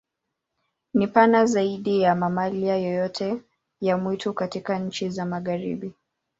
Ni pana zaidi ya mamalia yoyote ya mwitu katika nchi za Magharibi.